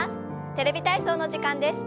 「テレビ体操」の時間です。